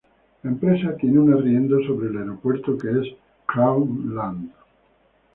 La empresa tiene un arriendo sobre el aeropuerto que es Crown Land.